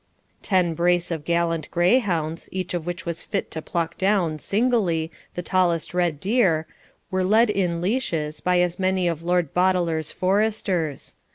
Ten brace of gallant greyhounds, each of which was fit to pluck down, singly, the tallest red deer, were led in leashes, by as many of Lord Boteler's foresters.